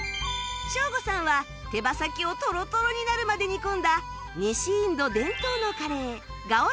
ショーゴさんは手羽先をトロトロになるまで煮込んだ西インド伝統のカレーガオランチキンを注文